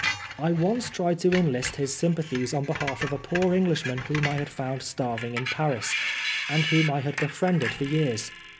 I once tried to enlist his sympathies on behalf of a poor old Englishman whom I had found starving in Paris, and whom I had befriended for years.